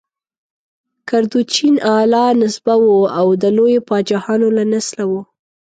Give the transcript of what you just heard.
کردوچین اعلی نسبه وه او د لویو پاچاهانو له نسله وه.